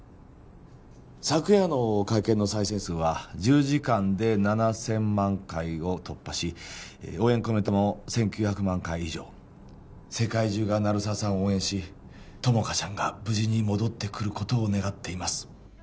昨夜の会見の再生数は１０時間で７０００万回を突破し応援コメントも１９００万回以上世界中が鳴沢さんを応援し友果ちゃんが無事に戻ってくることを願っています